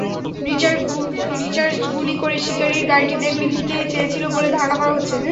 Richard গুলি করে শিকারির গাড়িটি দখলে নিতে চেয়েছিল বলে ধারণা করা হচ্ছে।